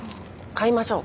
買いましょう。